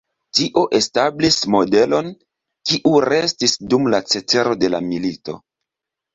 Tio establis modelon, kiu restis dum la cetero de la milito.